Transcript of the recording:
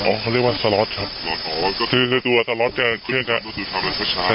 อ๋อเขาเรียกว่าสล็อตครับคือตัวสล็อตจะเคลื่อนกับ